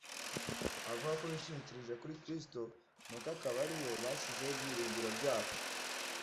Abavuga ko bishingikirije kuri Kristo, nuko akaba ari we bashyizeho ibyiringiro byabo